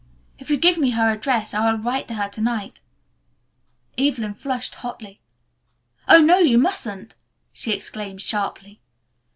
If you will give me her address I will write to her to night." Evelyn flushed hotly. "Oh, no, you mustn't!" she exclaimed sharply.